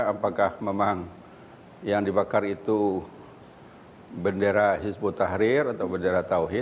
apakah memang yang dibakar itu bendera hizbut tahrir atau bendera tauhid